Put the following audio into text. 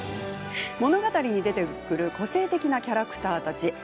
物語に出てくる個性的なキャラクターたち。